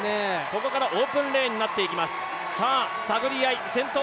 ここからオープンレーンになっていきます。